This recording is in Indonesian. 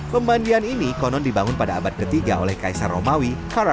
pemandian ini konon dibangun pada abad ketiga oleh kaisar romawi